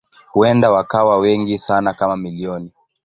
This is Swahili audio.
Huenda wakawa wengi sana kama milioni.